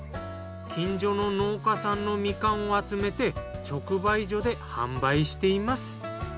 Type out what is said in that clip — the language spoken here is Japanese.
近所の農家さんのみかんを集めて直売所で販売しています。